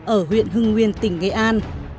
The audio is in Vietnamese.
ở huyện hưng nguyên tỉnh nghệ an